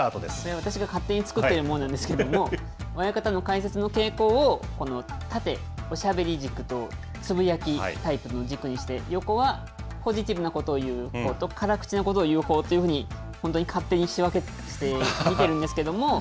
私が勝手に作ってるものなんですけれども、親方の解説の傾向を、この縦、おしゃべり軸と、つぶやきタイプの軸にして、横はポジティブなことを言うほうと、辛口なことを言うほうというふうに本当に勝手に仕分けして見てるんですけれども。